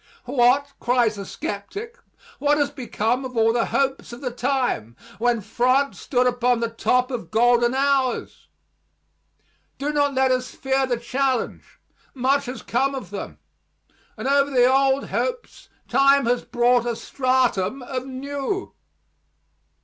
What, cries the skeptic, what has become of all the hopes of the time when France stood upon the top of golden hours? Do not let us fear the challenge. Much has come of them. And over the old hopes time has brought a stratum of new.